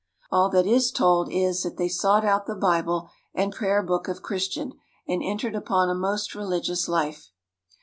All that is told is, that they sought out the Bible and Prayer Book of Christian, and entered upon a most reHgious Hfe.